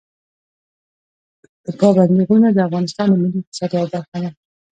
پابندي غرونه د افغانستان د ملي اقتصاد یوه برخه ده.